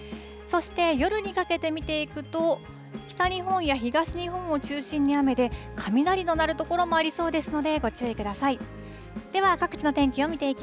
そして夜にかけて見ていくと、北日本や東日本を中心に雨で、雷の鳴る所もありそうですので、ご注意ください。